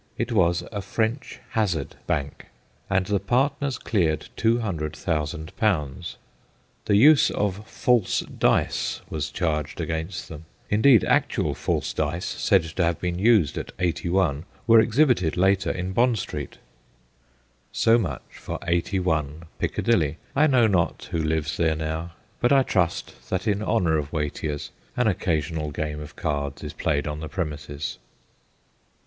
It was a ' French hazard' bank, and the partners cleared 200,000. The use of false dice was charged <LOKD FANNY' 53 against them ; indeed actual false dice, said to have been used at 81, were exhibited later in Bond Street. So much for 81 Piccadilly. I know not who lives there now, but I trust that in honour of Watier's an occasional game of cards is played on the premises.